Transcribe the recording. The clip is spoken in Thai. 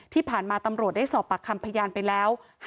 ที่ผ่านมาตำรวจได้สอบปากคำพยานไปแล้ว